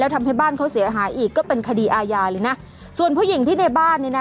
ทำให้บ้านเขาเสียหายอีกก็เป็นคดีอาญาเลยนะส่วนผู้หญิงที่ในบ้านเนี่ยนะ